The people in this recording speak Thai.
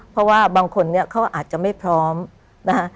เพราะว่าบางคนเนี่ยเขาอาจจะไม่พร้อมนะคะ